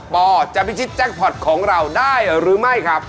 ปจะพิชิตแจ็คพอร์ตของเราได้หรือไม่ครับ